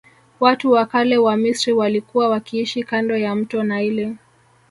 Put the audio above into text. Watu wa kale wa misri walikua wakiishi kando ya mto naili